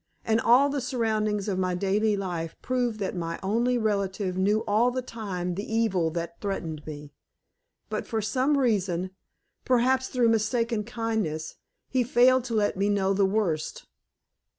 And all the surroundings of my daily life prove that my only relative knew all the time the evil that threatened me, but for some reason perhaps through mistaken kindness, he failed to let me know the worst.